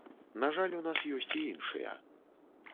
На жаль, у нас ёсць і іншыя.